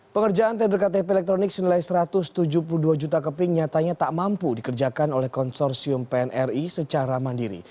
pengerjaan tender ktp elektronik senilai satu ratus tujuh puluh dua juta keping nyatanya tak mampu dikerjakan oleh konsorsium pnri secara mandiri